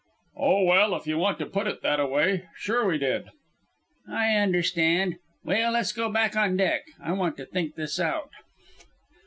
"Oh, well, if you want to put it thataway. Sure we did." "I understand Well Let's go back on deck. I want to think this out."